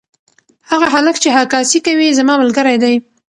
هغه هلک چې عکاسي کوي زما ملګری دی.